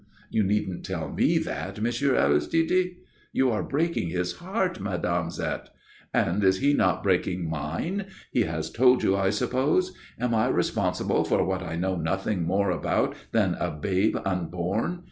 "You needn't tell me that, M. Aristide." "You are breaking his heart, Mme. Zette." "And is he not breaking mine? He has told you, I suppose. Am I responsible for what I know nothing more about than a babe unborn?